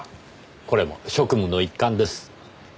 これも職務の一環です。